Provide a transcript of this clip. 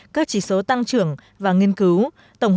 các chỉ số tăng trưởng và nghiên cứu